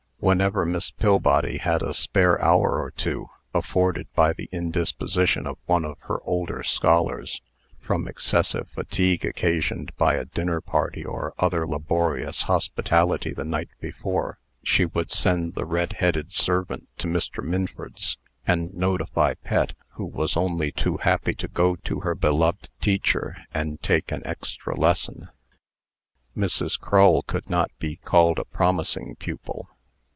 Whenever Miss Pillbody had a spare hour or two, afforded by the indisposition of one of her older scholars (from excessive fatigue occasioned by a dinner party or other laborious hospitality the night before), she would send the red headed servant to Mr. Minford's, and notify Pet, who was only too happy to go to her beloved teacher, and take an extra lesson. Mrs. Crull could not be called a promising pupil.